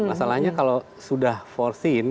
masalahnya kalau sudah foreseen